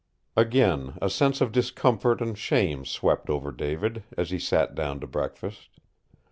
Again a sense of discomfort and shame swept over David, as he sat down to breakfast.